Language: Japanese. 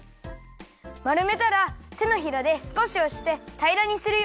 まるめたらてのひらですこしおしてたいらにするよ。